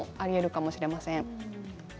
かもしれません